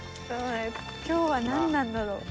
きょうは何なんだろう？